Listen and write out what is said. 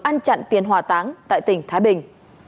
ăn chặn tiền hòa táng tại tp thái bình